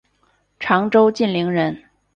常州晋陵人。